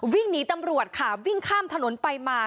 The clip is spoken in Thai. วิ่งหนีตำรวจค่ะวิ่งข้ามถนนไปมา